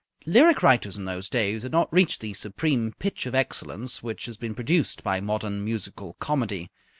Lyric writers in those days had not reached the supreme pitch of excellence which has been produced by modern musical comedy.